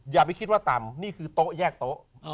อย่าไปคิดว่าต่ำนี่คือโต๊ะแยกโต๊ะ